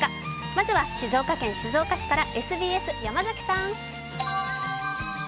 まずは静岡県静岡市からＳＢＳ・山崎さん。